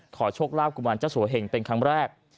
ขอโชคลาภกุมารเจ้าสัวเหงเป็นครั้งแรก